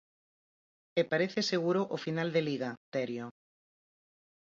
E parece seguro o final de Liga, Terio.